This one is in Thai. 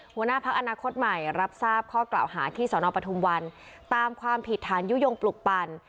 หัวหน้าพักอนาคตใหม่รับทราบข้อกล่าวหาที่สนปทุมวันตามความผิดฐานยุโยงปลุกปั่น